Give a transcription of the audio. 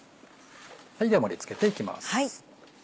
では盛り付けていきます。